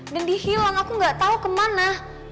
dan dihilang aku gak tau kemana